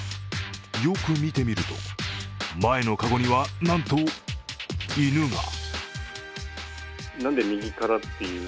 よく見てみると、前の籠にはなんと、犬が。